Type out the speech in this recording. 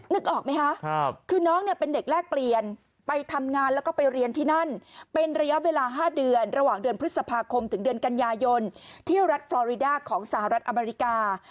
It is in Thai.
นึกออกไหมคะคือน้องเนี่ยเป็นเด็กแลกเปลี่ยนไปทำงานแล้วก็ไปเรียนที่นั่นเป็นระยะเวลา๕เดือนระหว่างเดือนพฤษภาคมถึงเดือนกันยายนที่รัฐฟรอริดาของสหรัฐอเมริกา